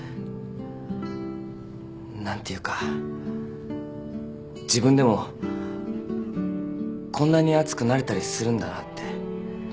何ていうか自分でもこんなに熱くなれたりするんだなって。